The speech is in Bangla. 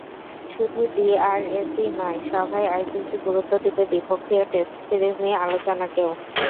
শুধু ডিআরএসই নয়, সভায় আইসিসি গুরুত্ব দেবে দ্বিপক্ষীয় টেস্ট সিরিজ নিয়ে আলোচনাকেও।